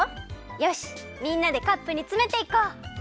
よしみんなでカップにつめていこう！